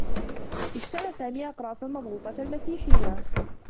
اشترى سامي أقراصا مضغوطة مسيحيّة.